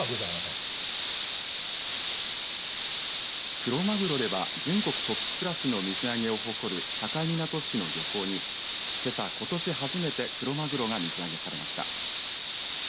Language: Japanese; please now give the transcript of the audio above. クロマグロでは全国トップクラスの水揚げを誇る境港市の漁港にけさ、ことし初めてクロマグロが水揚げされました。